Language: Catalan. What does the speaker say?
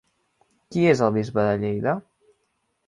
Qui és el Bisbe de Lleida?